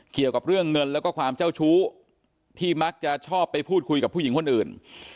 เกี่ยวกับเรื่องเงินแล้วก็ความเจ้าชู้ที่มักจะชอบไปพูดคุยกับผู้หญิงคนอื่น